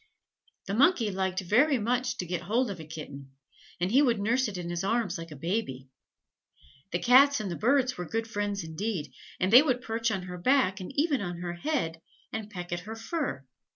The Monkey liked very much to get hold of a kitten and he would nurse it in his arms like a baby. The Cats and the Birds were good friends indeed: they would perch on her back, and even on her head, and peck at her fur.